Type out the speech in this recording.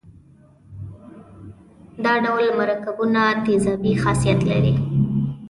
دا ډول مرکبونه تیزابي خاصیت لري.